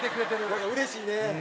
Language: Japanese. なんかうれしいね。